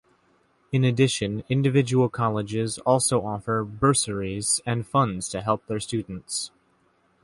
In addition, individual colleges also offer bursaries and funds to help their students.